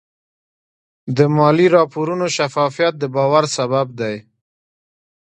د مالي راپورونو شفافیت د باور سبب دی.